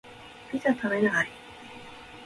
ピザ食べない？